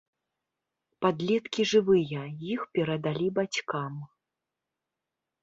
Падлеткі жывыя, іх перадалі бацькам.